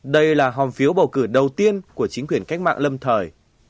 đây là hòm phiếu bầu cử đầu tiên của chính quyền cách mạng lâm thời